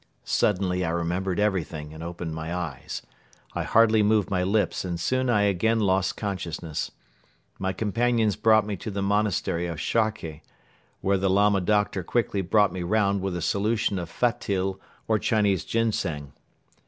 Suddenly I remembered everything and opened my eyes. I hardly moved my lips and soon I again lost consciousness. My companions brought me to the monastery of Sharkhe, where the Lama doctor quickly brought me round with a solution of fatil or Chinese ginseng.